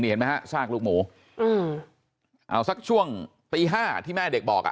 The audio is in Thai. เห็นไหมฮะซากลูกหมูเอาสักช่วงตี๕ที่แม่เด็กบอก